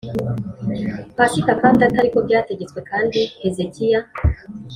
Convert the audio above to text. Pasika kandi atari ko byategetswe kandi hezekiya